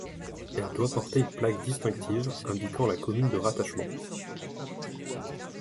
Elle doit porter une plaque distinctive indiquant la commune de rattachement.